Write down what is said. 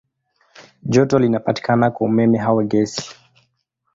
Joto linapatikana kwa umeme au gesi.